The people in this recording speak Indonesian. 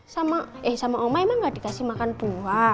sama eh sama oma emang gak dikasih makan dua